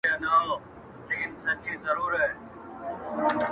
o د کور هر غړی مات او بې وسه ښکاري,